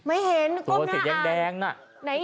ไม่เห็นตรงกลางอ่ะ